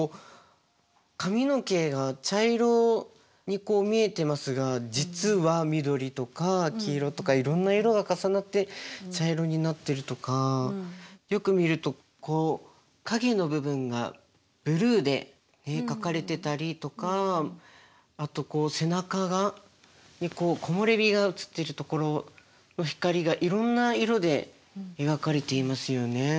髪の毛が茶色に見えてますが実は緑とか黄色とかいろんな色が重なって茶色になってるとかよく見るとこう影の部分がブルーで描かれてたりとかあとこう背中に木漏れ日が映ってるところの光がいろんな色で描かれていますよね。